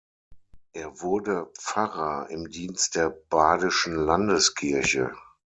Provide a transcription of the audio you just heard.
Er wurde Pfarrer im Dienst der Badischen Landeskirche.